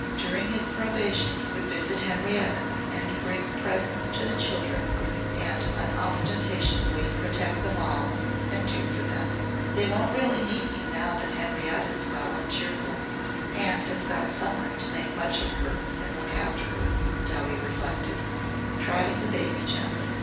During his probation he would visit Henrietta and bring presents to the children and unostentatiously protect them all and "do" for them. "They won't really need me now that Henrietta's well and cheerful and has got some one to make much of her and look after her," Dowie reflected, trotting the baby gently.